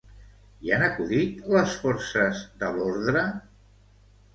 Hi han acudit les forces de l'ordre?